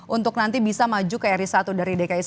untuk nanti bisa maju ke ri satu dari dki satu